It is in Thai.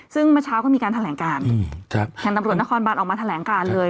ซึ่งเมื่อเช้าก็มีการแถลงการทางตำรวจนครบันออกมาแถลงการเลย